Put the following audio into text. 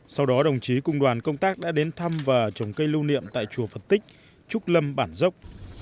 sau đó đồng chí cùng đoàn công tác đã đến thăm và trồng cây lưu niệm tại chùa phật tích trúc lâm bản dốc